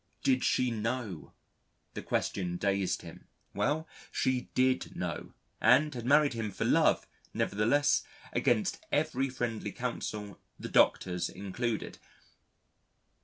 Did she know?... The question dazed him. Well, she did know, and had married him for love, nevertheless, against every friendly counsel, the Doctor's included.